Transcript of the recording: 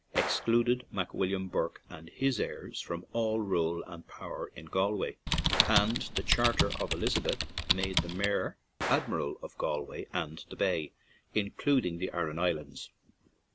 excluded Mc William Burke and his heirs from all rule and power in Gal way; and the charter of Elizabeth made the mayor Admiral of Galway and the bay, including the Aran Islands.